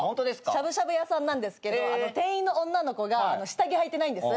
しゃぶしゃぶ屋さんなんですけど店員の女の子が下着はいてないんです。